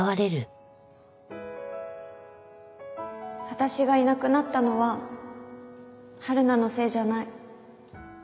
私がいなくなったのははるなのせいじゃない。